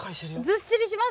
ずっしりします？